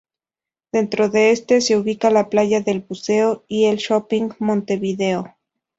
Dentro de este se ubica la playa del buceo y el shopping Montevideo.